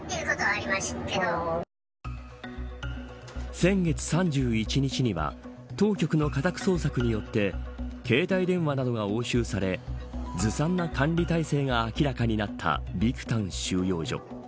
先月３１日には当局の家宅捜索によって携帯電話などが押収されずさんな管理体制が明らかになったビクタン収容所。